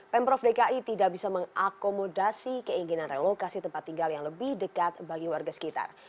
pemprov dki tidak bisa mengakomodasi keinginan relokasi tempat tinggal yang lebih dekat bagi warga sekitar